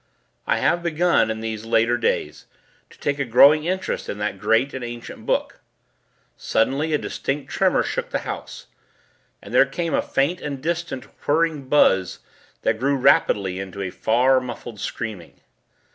I have begun, in these later days, to take a growing interest in that great and ancient book. Suddenly, a distinct tremor shook the house, and there came a faint and distant, whirring buzz, that grew rapidly into a far, muffled screaming.